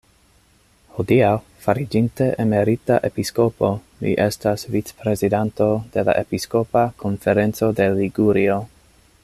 Hodiaŭ, fariĝinte emerita episkopo, li estas vicprezidanto de la "Episkopa konferenco de Ligurio".